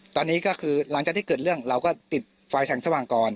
ตอนนี้ก็คือหลังจากที่เกิดเรื่องเราก็ติดไฟแสงสว่างก่อน